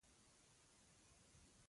خو زه یو شرط لرم.